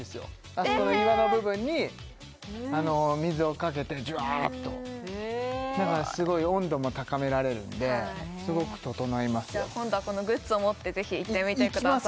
あそこの岩の部分に水をかけてジュワっとすごい温度も高められるんですごくととのいますよ今度はこのグッズを持ってぜひ行ってみてください